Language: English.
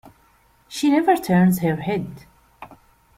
She never turns her head.